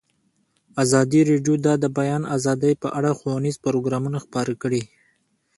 ازادي راډیو د د بیان آزادي په اړه ښوونیز پروګرامونه خپاره کړي.